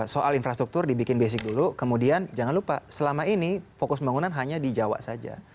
soal infrastruktur dibikin basic dulu kemudian jangan lupa selama ini fokus pembangunan hanya di jawa saja